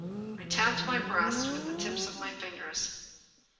I tapped my breast with the tips of my fingers.